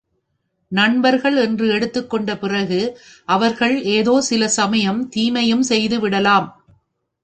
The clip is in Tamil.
நண்பர்கள் என்று எடுத்துக்கொண்ட பிறகு அவர்கள் ஏதோ சில சமயம் தீமையும் செய்துவிடலாம்.